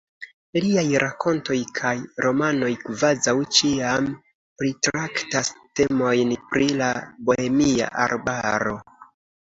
Liaj rakontoj kaj romanoj kvazaŭ ĉiam pritraktas temojn pri la Bohemia Arbaro.